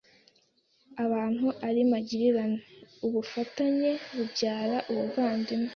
abantu ari magirirane ». Ubufatanye bubyara ubuvandimwe.